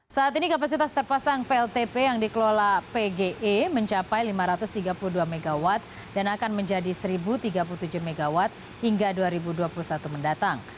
saat ini kapasitas terpasang pltp yang dikelola pge mencapai lima ratus tiga puluh dua mw dan akan menjadi satu tiga puluh tujuh mw hingga dua ribu dua puluh satu mendatang